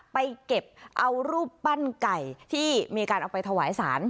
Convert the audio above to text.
ไปเก็บเอารูปปั้นไก่ที่มีการเอาไปถวายสาร